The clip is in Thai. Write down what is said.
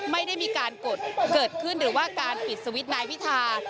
ไม่ได้มีการกดเกิดขึ้นหรือว่าการปิดสวิตช์นายพิธา